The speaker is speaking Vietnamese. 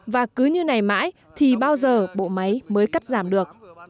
và cứ như này mãi thì bao giờ bộ máy mới cắt giảm được